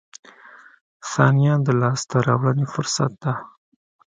• ثانیه د لاسته راوړنې فرصت ده.